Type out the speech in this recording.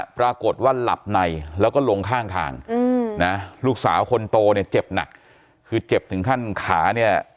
ปรากฏว่าหลับในแล้วก็ลงข้างทางนะลูกสาวคนโตเนี่ยเจ็บหนักคือเจ็บถึงขั้นขาเนี่ย